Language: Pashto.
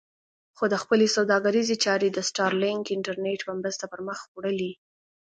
خو ده خپلې سوداګریزې چارې د سټارلېنک انټرنېټ په مرسته پر مخ وړلې.